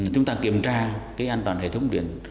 chúng ta kiểm tra an toàn hệ thống điện